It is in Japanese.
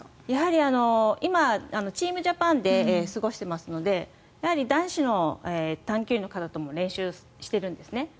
やはり今チームジャパンで過ごしてますので男子の短距離の方とも練習してるんですね。